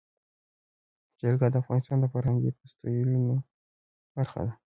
جلګه د افغانستان د فرهنګي فستیوالونو برخه ده.